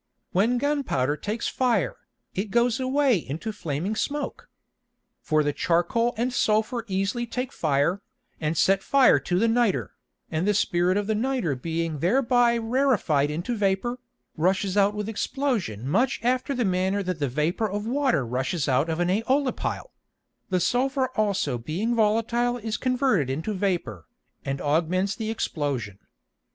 When Gun powder takes fire, it goes away into Flaming Smoke. For the Charcoal and Sulphur easily take fire, and set fire to the Nitre, and the Spirit of the Nitre being thereby rarified into Vapour, rushes out with Explosion much after the manner that the Vapour of Water rushes out of an Æolipile; the Sulphur also being volatile is converted into Vapour, and augments the Explosion.